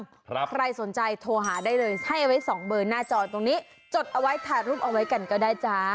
ใครสนใจโทรหาได้เลยให้เอาไว้สองเบอร์หน้าจอตรงนี้จดเอาไว้ถ่ายรูปเอาไว้กันก็ได้จ้า